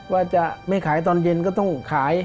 ว่าจะไม่ขายตอนเย็นก็ต้องขาย